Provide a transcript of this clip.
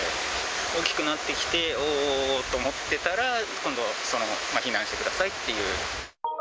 大きくなってきて、おお、おおと思ってたら、今度、避難してくださいっていう。